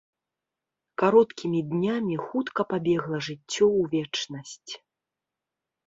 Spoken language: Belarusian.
Кароткімі днямі хутка пабегла жыццё ў вечнасць.